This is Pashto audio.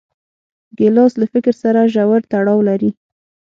ګیلاس له فکر سره ژور تړاو لري.